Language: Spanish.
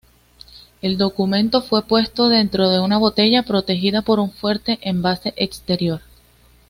El documento fue puesto dentro de una botella protegida por un fuerte envase exterior.